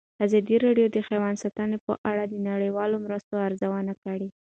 ازادي راډیو د حیوان ساتنه په اړه د نړیوالو مرستو ارزونه کړې.